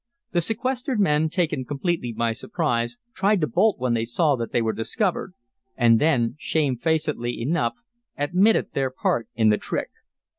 The sequestered men, taken completely by surprise, tried to bolt when they saw that they were discovered, and then, shamefacedly enough, admitted their part in the trick.